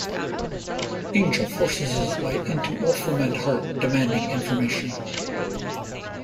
Angel forces his way into Wolfram and Hart, demanding information.